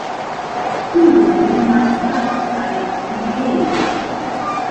Turo de malsato kaj kuirejo.